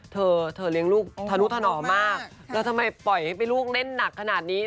เธอเธอเลี้ยงลูกทะนุถนอมมากแล้วทำไมปล่อยให้ลูกเล่นหนักขนาดนี้